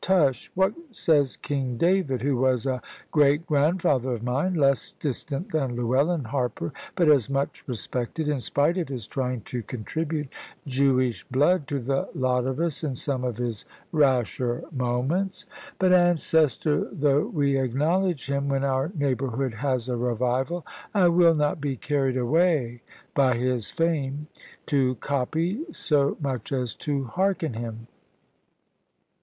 Tush, what says King David, who was a great grandfather of mine; less distant than Llewellyn Harper, but as much respected; in spite of his trying to contribute Jewish blood to the lot of us in some of his rasher moments? But ancestor though we acknowledge him (when our neighbourhood has a revival), I will not be carried away by his fame to copy, so much as to hearken him.